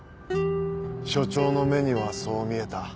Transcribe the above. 署長の目にはそう見えた。